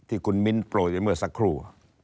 ที่คุณมิ้นโปรยไปเมื่อสักครู่